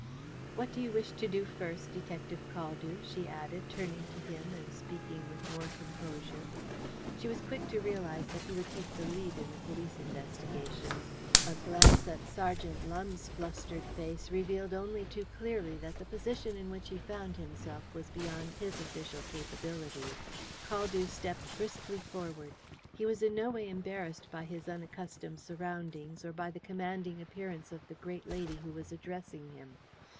"What do you wish to do first, Detective Caldew?" she added, turning to him, and speaking with more composure. She was quick to realize that he would take the lead in the police investigations. A glance at Sergeant Lumbe's flustered face revealed only too clearly that the position in which he found himself was beyond his official capabilities. Caldew stepped briskly forward. He was in no way embarrassed by his unaccustomed surroundings or by the commanding appearance of the great lady who was addressing him.